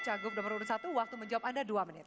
canggung nomor satu waktu menjawab anda dua menit